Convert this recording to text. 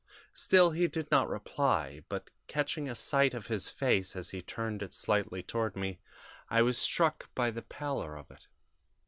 "Still he did not reply; but, catching a sight of his face as he turned it slightly toward me, I was struck by the pallor of it.